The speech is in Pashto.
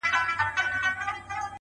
پر څنگه بلا واوښتې جاناناه سرگردانه”